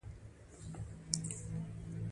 ستا دا خبره مې اوس هم په تصور کې راشنه